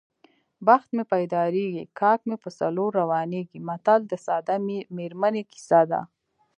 بخت مې پیدارېږي کاک مې په څلور روانېږي متل د ساده میرمنې کیسه ده